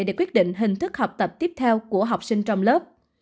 để quyết định hình thức học tập tiếp theo của học sinh trong lớp